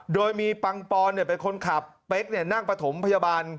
โดยมีปังปอนเป็นคนขับเป๊กนั่งประถมพยาบาล